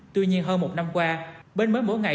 tuy nhiên hơn một năm qua bến mới mỗi ngày